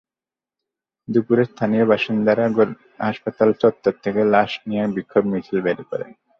দুপুরে স্থানীয় বাসিন্দারা হাসপাতাল চত্বর থেকে লাশ নিয়ে বিক্ষোভ মিছিল বের করেন।